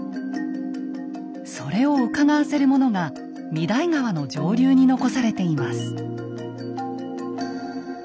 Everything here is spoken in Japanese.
それをうかがわせるものが御勅使川の上流に残されています。